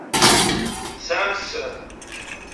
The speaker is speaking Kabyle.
Tesɛam sser?